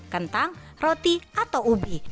kentang roti atau ubi